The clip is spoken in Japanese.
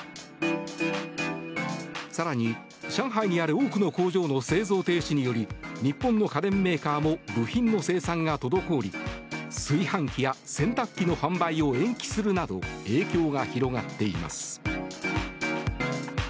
更に、上海にある多くの工場の製造停止により日本の家電メーカーも部品の生産が滞り炊飯器や洗濯機の販売を延期するなど影響が広がっています。